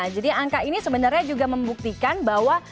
jadi angka ini sebenarnya juga membuktikan bahwa